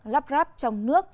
lắp ráp trong nước